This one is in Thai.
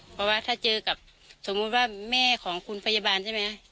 เพราะว่าถ้าเจอกับสมมุติว่าแม่ของคุณพยาบาลใช่ไหม